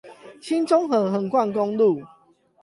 新中部橫貫公路